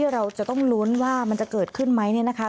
เราจะต้องลุ้นว่ามันจะเกิดขึ้นไหมเนี่ยนะคะ